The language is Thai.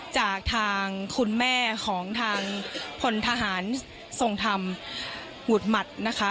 จากทางคุณแม่ของทางพลทหารทรงธรรมหงุดหมัดนะคะ